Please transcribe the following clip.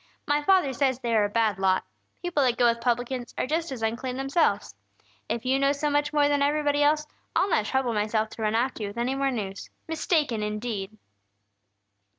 "My father says they are a bad lot. People that go with publicans are just as unclean themselves. If you know so much more than everybody else, I'll not trouble myself to run after you with any more news. Mistaken, indeed!"